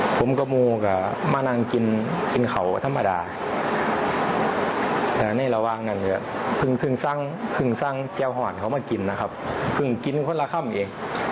ผมกับมูก็มานั่งกินกินเขาธรรมดาในระหว่างนั้นก็เพิ่งสร้างแก้วห่อนเขามากินนะครับเพิ่งกินคนละค่ำเอง